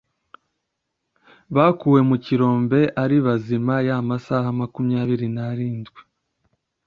Bakuwe mu kirombe ari bazima y’amasaha makumyabiri narindwi